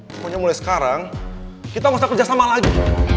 pokoknya mulai sekarang kita ga usah kerja sama lagi